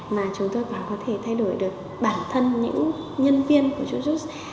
mà chúng tôi có thể thay đổi được bản thân những nhân viên của jobus